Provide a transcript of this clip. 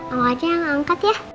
omah aja yang angkat ya